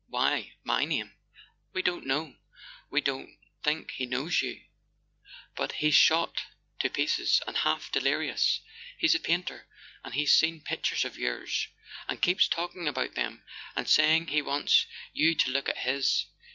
Why my name?" "We don't know. We don't think he knows you ... but he's shot to pieces and half delirious. He's a painter, and he's seen pictures of yours, and keeps talking about them, and saying he wants you to look at his...